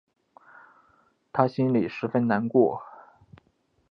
她心里十分难过